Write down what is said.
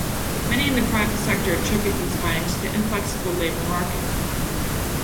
Many in the private sector attribute these findings to the inflexible labor market.